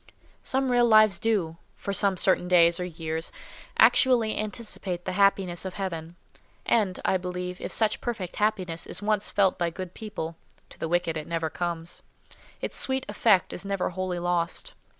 Some real lives do—for some certain days or years—actually anticipate the happiness of Heaven; and, I believe, if such perfect happiness is once felt by good people (to the wicked it never comes), its sweet effect is never wholly lost.